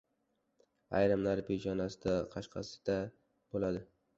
Ayrimlari peshonasida qashqasi-da bo‘ladi.